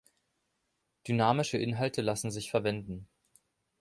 Dynamische Inhalte lassen sich verwenden.